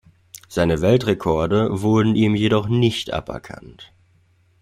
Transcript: Seine Weltrekorde wurden ihm jedoch nicht aberkannt.